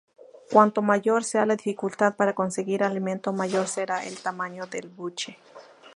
Cuanto mayor sea la dificultad para conseguir alimento mayor será el tamaño del buche.